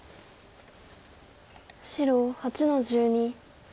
白８の十二。